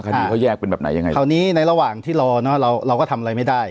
คดีเขาแยกเป็นแบบไหนยังไงคราวนี้ในระหว่างที่รอเนอะเราเราก็ทำอะไรไม่ได้